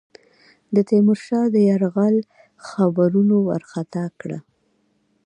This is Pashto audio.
د تیمورشاه د یرغل خبرونو وارخطا کړه.